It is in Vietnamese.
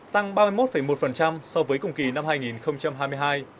tăng ba mươi một một so với cùng kỳ năm hai nghìn hai mươi hai